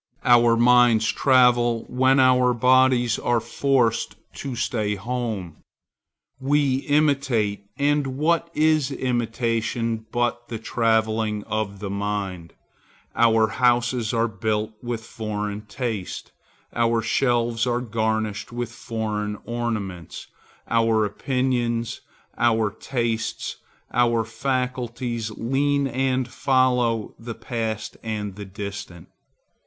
Our minds travel when our bodies are forced to stay at home. We imitate; and what is imitation but the travelling of the mind? Our houses are built with foreign taste; our shelves are garnished with foreign ornaments; our opinions, our tastes, our faculties, lean, and follow the Past and the Distant.